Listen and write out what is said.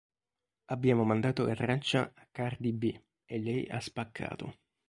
Abbiamo mandato la traccia a Cardi B e lei ha spaccato.